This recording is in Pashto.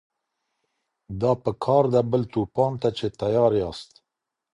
دا په کار ده بل توپان ته چي تیار یاست